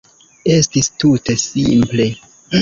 Estis tute simple.